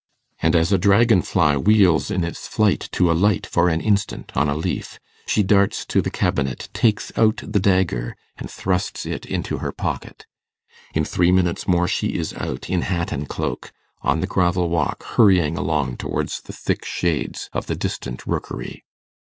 And as a dragon fly wheels in its flight to alight for an instant on a leaf, she darts to the cabinet, takes out the dagger, and thrusts it into her pocket. In three minutes more she is out, in hat and cloak, on the gravel walk, hurrying along towards the thick shades of the distant Rookery.